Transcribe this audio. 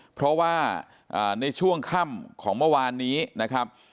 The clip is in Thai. เพราะว่าในช่วงค่ำของเมื่อวานนี้นะครับ